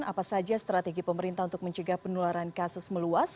apa saja strategi pemerintah untuk mencegah penularan kasus meluas